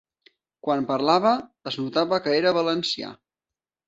Quan parlava, es notava que era valencià.